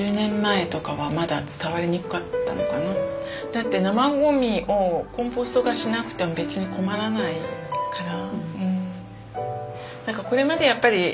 だって生ゴミをコンポスト化しなくても別に困らないから。